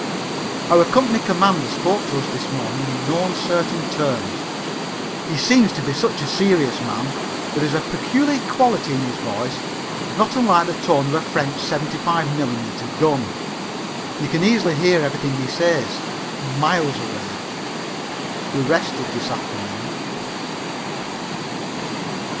Our company commander spoke to us this morning in no uncertain terms. He seems to be such a serious man. There is a peculiar quality in his voice, not unlike the tone of a French 75 mm. gun. You can easily hear everything he says miles away. We rested this afternoon.